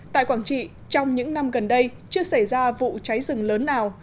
tại quảng trị trong những năm gần đây chưa xảy ra vụ cháy rừng lớn nào